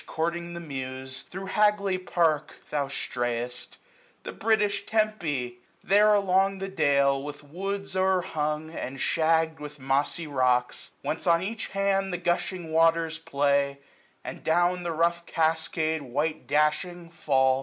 Courting the Muse, thro' Hagley Park thou strayest; The British Tempe ! There along the dale, 906 With woods o'er hung, and shagg'd with mossy rocks. Whence on each hand the gushing waters play ; And down the rough cascade white dashing fall.